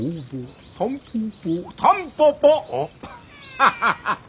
ハハハハ。